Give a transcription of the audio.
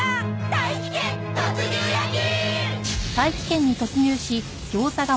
大気圏突入焼き！